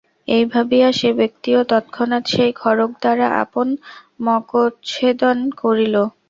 এই ভাবিয়া সে ব্যক্তিও তৎক্ষণাৎ সেই খড়গ দ্বারা আপন মস্তকচ্ছেদন করিল।